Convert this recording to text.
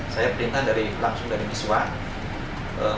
saya perintah dari langsung dari miss huang